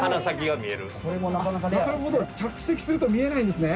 着席すると見えないんですね？